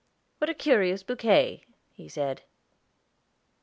"What a curious bouquet," he said.